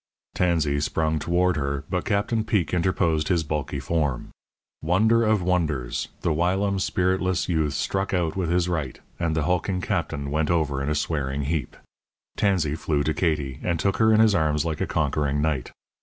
Tansey sprung toward her, but Captain Peek interposed his bulky form. Wonder of wonders! the whilom spiritless youth struck out with his right, and the hulking Captain went over in a swearing heap. Tansey flew to Katie, and took her in his arms like a conquering knight.